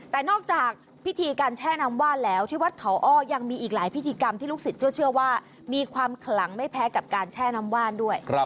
แต่นอกจากพิธีการแช่น้ำว่านแล้วที่วัดเขาอ้อยังมีอีกหลายพิธีกรรมที่ลูกศิษย์เชื่อว่ามีความขลังไม่แพ้กับการแช่น้ำว่านด้วย